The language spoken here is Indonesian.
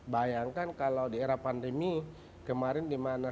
bayangkan kalau di era pandemi kemarin di mana semua orang diwajibkan